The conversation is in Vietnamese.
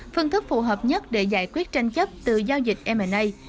phương thức phù hợp nhất để giải quyết tranh chấp từ giao dịch ma